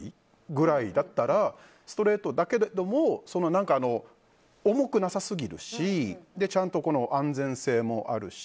ぐらいだったらストレートだけども重くなさすぎるしちゃんと、安全性もあるし。